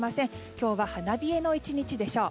今日は花冷えの１日でしょう。